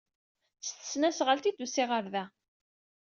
S tesnasɣalt ay d-usiɣ ɣer da.